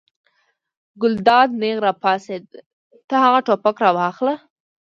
ګلداد نېغ را پاڅېد: ته هغه ټوپک راواخله.